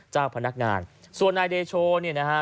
เจ้าพนักงานส่วนนายเดโชเนี่ยนะฮะ